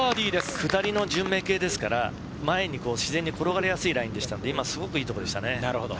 下りの順目系ですから、前に自然に転がりやすいラインだったので、すごくいいところでした。